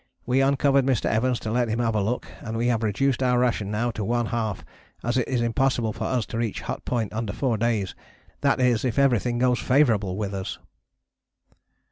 We uncovered Mr. Evans to let him have a look and we have reduced our ration now to one half as it is impossible for us to reach Hut Point under four days, that is if everything goes favourable with us.